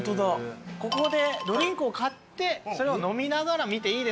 ここでドリンクを買ってそれを飲みながら見ていいですよという。